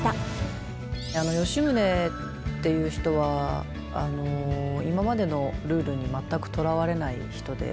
吉宗っていう人は今までのルールに全くとらわれない人で。